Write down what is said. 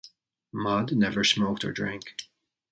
Maude never smoked or drank.